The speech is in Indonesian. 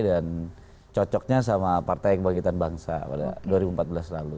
dan cocoknya sama partai kebangkitan bangsa pada dua ribu empat belas lalu